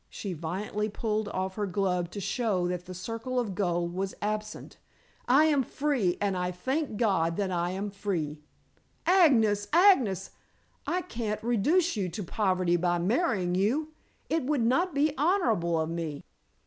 She violently pulled off her glove to show that the circle of gold was absent. "I am free, and I thank God that I am free." "Agnes! Agnes! I can't reduce you to poverty by marrying you. It would not be honorable of me."